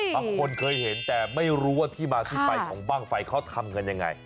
บางคนเคยเห็นแต่ไม่รู้ว่าที่มาที่ไปของบ้างไฟเขาทำกันยังไง